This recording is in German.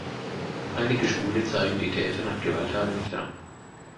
Einige Schwule zeigen die Täter nach Gewalttaten nicht an.